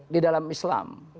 di dalam islam